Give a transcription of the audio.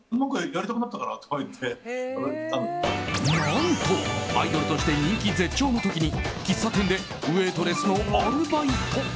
何と、アイドルとして人気絶頂の時に喫茶店でウェートレスのアルバイト。